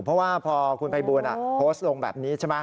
เพราะว่าพอคุณพัยบูรณ์โพสต์ลงแบบนี้